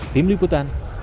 tim liputan cnn news